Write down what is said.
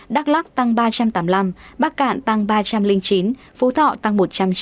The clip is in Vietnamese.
đắk lắc tăng ba trăm tám mươi năm bắc cạn tăng ba trăm linh chín phú thọ tăng một trăm chín mươi